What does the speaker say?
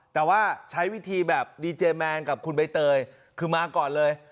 แต่ว่าใช้วิธีแบบดีเจแมนกับคุณใบเตยคือมาก่อนเลย